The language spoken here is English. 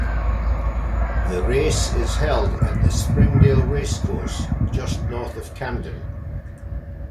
The race is held at the Springdale Race Course, just north of Camden.